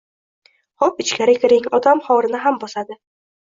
— Xo‘p, ichkari kiring. Odam hovrini odam bosadi!